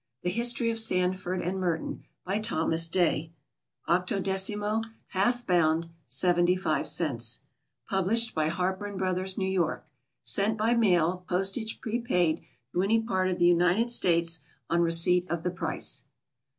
The History of Sandford and Merton. By THOMAS DAY. 18mo, Half Bound, 75 cents. Published by HARPER & BROTHERS, New York. _Sent by mail, postage prepaid, to any part of the United States, on receipt of the price.